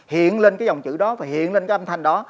hiện lên cái dòng chữ đó phải hiện lên cái âm thanh đó